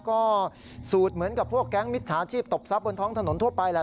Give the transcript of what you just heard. ก็สูตรเหมือนกับพวกแก๊งมิจฉาชีพตบทรัพย์บนท้องถนนทั่วไปแหละ